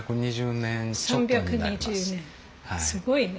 すごいね。